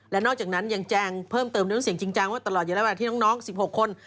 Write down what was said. และนอกจากนั้นแจงเพิ่มเติมด้วยเสียงจริงว่าตลอดอยู่ระวังที่น้อง๑๖คน